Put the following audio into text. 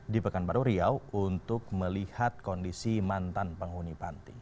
di pekanbaru riau untuk melihat kondisi mantan penghuni panti